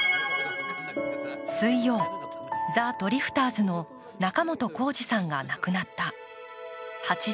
水曜、ザ・ドリフターズの仲本工事さんが亡くなった。